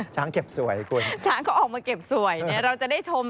ช้างเขาออกมาเก็บสวยเราจะได้ชม